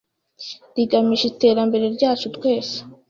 rigamije Iterambere ryacu twese